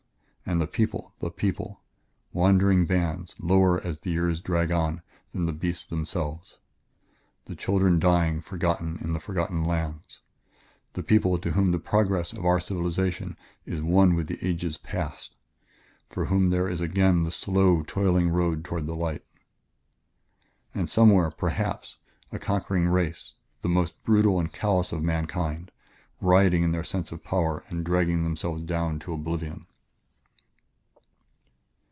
And the people the people! wandering bands, lower, as the years drag on, than the beasts themselves; the children dying, forgotten, in the forgotten lands; a people to whom the progress of our civilization is one with the ages past, for whom there is again the slow, toiling road toward the light. "And somewhere, perhaps, a conquering race, the most brutal and callous of mankind, rioting in their sense of power and dragging themselves down to oblivion...."